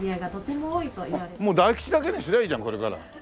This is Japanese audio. もう大吉だけにすりゃいいじゃんこれから。